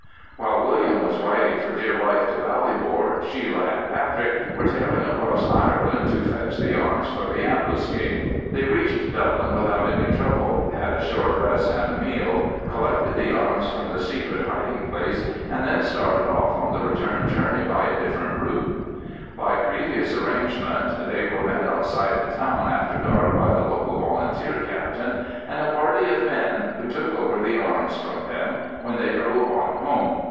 While William was riding for dear life to Ballybor, Sheila and Patrick were tearing across Ireland to fetch the arms for the ambuscade. They reached Dublin without any trouble, had a short rest and a meal, collected the arms from the secret hiding place, and then started off on the return journey by a different route. By previous arrangement they were met outside the town after dark by the local Volunteer captain and a party of men, who took over the arms from them, when they drove on home.